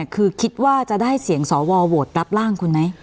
คือคิดว่าจะได้เสียงสวโหวตรับร่างคุณไหม